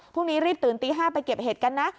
พรุ่งนี้รีบตื่นตี๕ไปเก็บเห็ดกันนะ